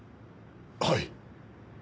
はい。